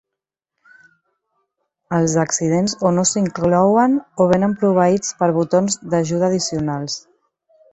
Els accidents o no s'inclouen o venen proveïts per botons d'"ajuda" addicionals.